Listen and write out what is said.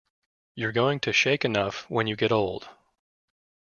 You're going to shake enough when you get old.